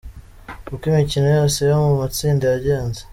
Uko imikino yose yo mu matsinda yagenze:.